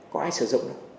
có ai sử dụng đâu